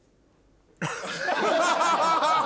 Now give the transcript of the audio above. ハハハハ。